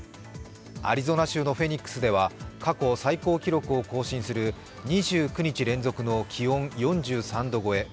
アリゾナ州のフェニックスでは過去最高記録を更新する２９日連続の気温４３度超え。